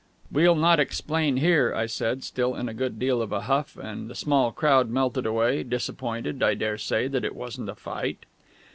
"We'll not explain here," I said, still in a good deal of a huff; and the small crowd melted away disappointed, I dare say, that it wasn't a fight.